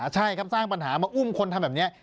ใช่ครับสร้างปัญหามาอุ้มคนทำแบบนี้